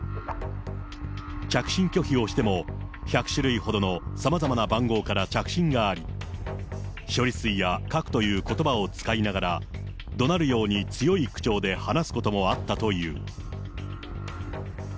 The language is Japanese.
着信拒否をしても、１００種類ほどのさまざまな番号から着信があり、処理水や核ということばを使いながら、どなるように強い口調で話すこともあったという。